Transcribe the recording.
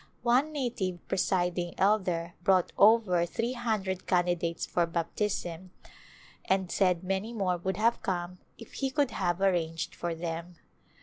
One native presiding elder brought over three hundred candidates for baptism and A Glimpse of India said many more would have come if he could have ar ranged for them.